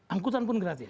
angkutan pun gratis